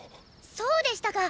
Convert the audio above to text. そうでしたか。